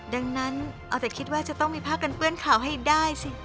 ดังนั้นเอาแต่คิดว่าจะต้องมีผ้ากันเปื้อนขาวให้ได้สิ